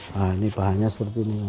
nah ini bahannya seperti ini